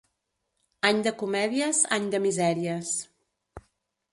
Any de comèdies, any de misèries.